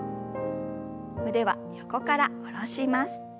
腕は横から下ろします。